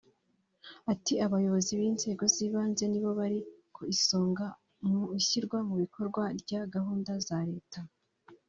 Ati “Abayobozi b’inzego z’ibanze nibo bari ku isonga mu ishyirwa mu bikorwa rya gahunda za leta